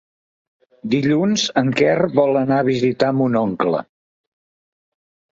Dilluns en Quer vol anar a visitar mon oncle.